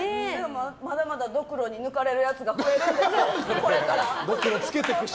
まだまだドクロに抜かれるやつが増えますよ、これから。